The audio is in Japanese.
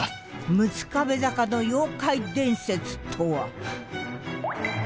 六壁坂の妖怪伝説とは？